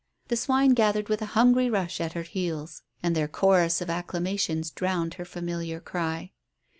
The swine gathered with a hungry rush at her heels, and their chorus of acclamation drowned her familiar cry.